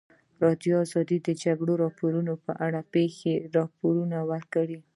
ازادي راډیو د د جګړې راپورونه په اړه د پېښو رپوټونه ورکړي.